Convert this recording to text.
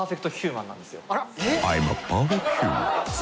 あら！